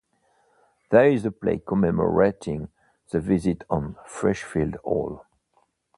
There is a plaque commemorating the visit on Freshfield Hall.